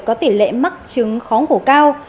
có tỷ lệ mắc chứng khó ngủ cao